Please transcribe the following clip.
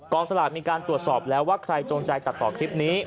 สลากมีการตรวจสอบแล้วว่าใครจงใจตัดต่อคลิปนี้